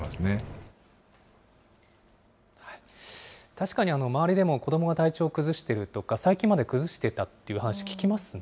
確かに周りでも、子どもが体調を崩しているとか、最近まで崩していたっていう話聞きますね。